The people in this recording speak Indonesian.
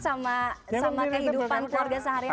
sama kehidupan keluarga sehari hari